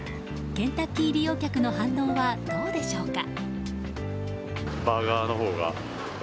ケンタッキー利用客の反応はどうでしょうか。